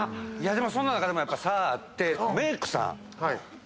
その中でもやっぱ差があって。